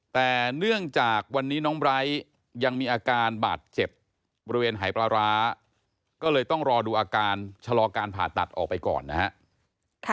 แต่เนื่องจากวันนี้น้องไบร์ทยังมีอาการบาดเจ็บบริเวณหายปลาร้าก็เลยต้องรอดูอาการชะลอการผ่าตัดออกไปก่อนนะครับ